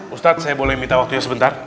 ustadz saya boleh minta waktunya sebentar